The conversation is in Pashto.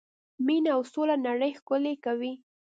مینه او سوله نړۍ ښکلې کوي.